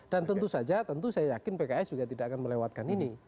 dan tentu saja tentu saya yakin pks juga tidak akan melewatkan ini